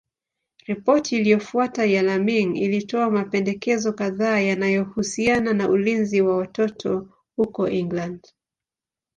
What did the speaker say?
Ripoti iliyofuata ya Laming ilitoa mapendekezo kadhaa yanayohusiana na ulinzi wa watoto huko England.